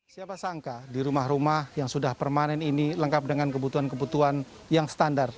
siapa sangka di rumah rumah yang sudah permanen ini lengkap dengan kebutuhan kebutuhan yang standar